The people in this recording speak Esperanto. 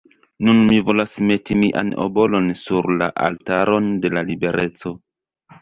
Nun mi volas meti mian obolon sur la altaron de la libereco.